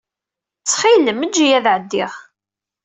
Ttxil-m, ejj-iyi ad ɛeddiɣ.